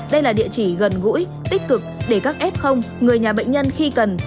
đây là địa chỉ gần gũi tích cực để các f người nhà bệnh nhân khi cần